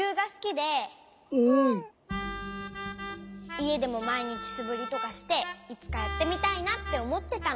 いえでもまいにちすぶりとかしていつかやってみたいなっておもってたの。